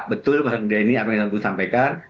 betul pak denny apa yang saya sampaikan